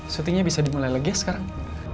shootingnya bisa dimulai lagi ya sekarang